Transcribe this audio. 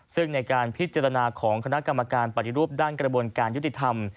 ซึ่งในการพิจารณาของคณะกรรมการปฏิรูปด้านกระบวนการยุติธรรม